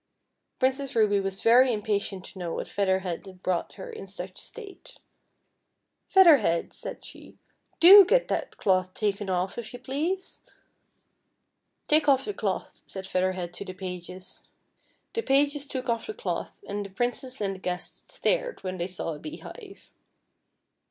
Princess Ruby was very impatient to know what Feather Head had brought her in such state. •■' Feather Head !" said she, "do get that cloth taken off, if you please." 240 FEATHER HEAD. " Take off the cloth," said Feather Pieaci to the pages. The pages took off the cloth, and the Princess and the guests stared when thej' saw a beehive.